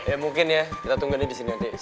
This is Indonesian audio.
ya mungkin ya kita tunggu nih disini nanti